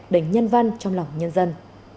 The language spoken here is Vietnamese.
đánh nhân văn trong lòng nhân dân